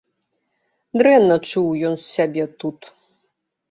Дрэнна чуў ён сябе тут.